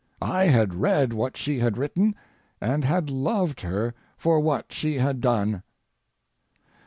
I had read what she had written, and had loved her for what she had done.